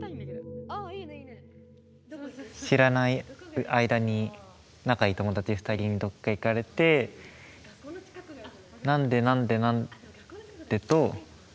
知らない間に仲いい友達２人にどっか行かれてと何かが強いです。